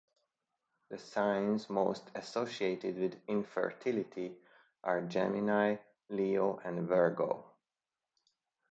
The signs most associated with infertility are Gemini, Leo, and Virgo.